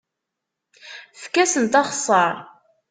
Efk-asent axeṣṣar.